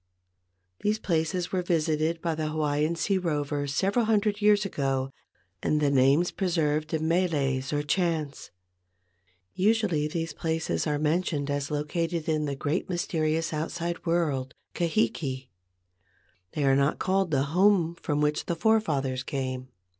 These places were visited by the Hawaiian sea rovers several hundred years ago and the names preserved in meles, or THE HOME OF THE ANCESTORS 261 chants. Usually these places are mentioned as located in the great mysterious outside world Kahiki. They are not called the home from which the forefathers came.